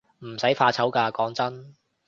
唔使怕醜㗎，講真